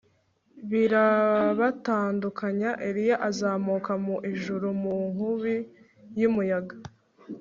birabatandukanya. eliya azamuka mu ijuru mu nkubi y'umuyaga